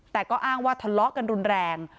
แต่ก็อ้างว่าทะเลาะกันรุนแรง